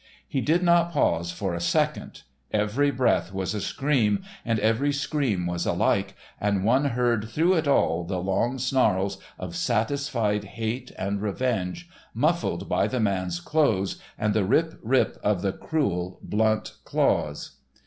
He did not pause for a second. Every breath was a scream, and every scream was alike, and one heard through it all the long snarls of satisfied hate and revenge, muffled by the man's clothes and the rip, rip of the cruel, blunt claws.